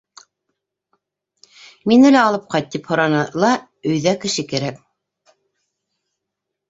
Мине лә алып ҡайт, тип һораны ла, өйҙә кеше кәрәк.